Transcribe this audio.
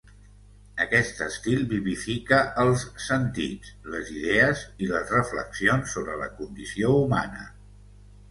Aquest estil vivifica els sentits, les idees, i les reflexions sobre la condició humana.